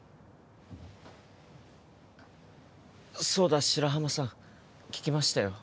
そうだ白浜さん聞きましたよ